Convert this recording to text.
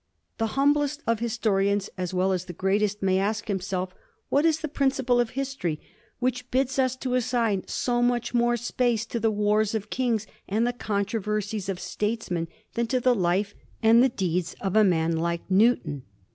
The humblest of historians as well as the greatest may ask himself what is the principle of history which bids us to assign so much more space to the wars of kings and the controversies of statesmen than to the life and the deeds of a man like Newton.